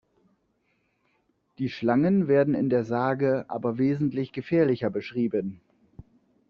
Die Schlangen werden in der Sage aber wesentlich gefährlicher beschrieben.